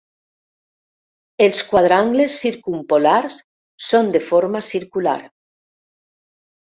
Els quadrangles circumpolars són de forma circular.